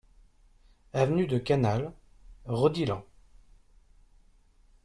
Avenue de Canale, Rodilhan